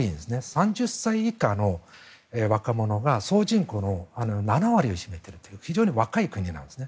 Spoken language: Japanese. ３０歳以下の若者が総人口の７割を占めているという非常に若い国なんです。